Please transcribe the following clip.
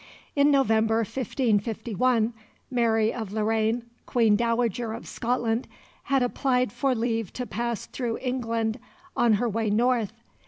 In November 1551 Mary of Lorraine, Queen Dowager of Scotland, had applied for leave to pass through England on her way north.